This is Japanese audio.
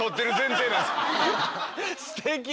すてきな。